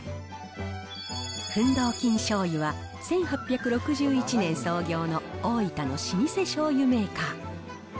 フンドーキン醤油は、１８６１年創業の大分の老舗しょうゆメーカー。